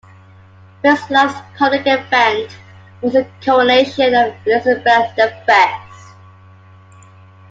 Will's last public event was the coronation of Elizabeth the First.